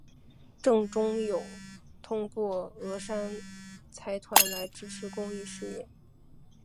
郑周永通过峨山财团来支持公益事业。